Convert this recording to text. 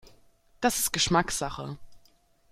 Das ist Geschmackssache.